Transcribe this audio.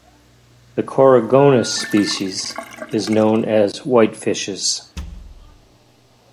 The "Coregonus" species are known as whitefishes.